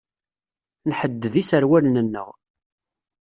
Nḥedded iserwalen-nneɣ.